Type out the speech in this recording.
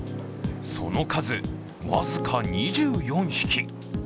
その数、僅か２４匹。